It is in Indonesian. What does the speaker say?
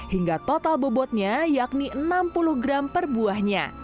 hingga total bobotnya yakni enam puluh gram per buahnya